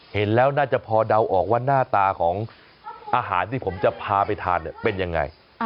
เห็นแล้วน่าจะพอเดาออกว่าหน้าตาของอาหารที่ผมจะพาไปทานเป็นยังไง